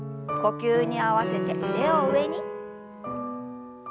呼吸に合わせて腕を上に。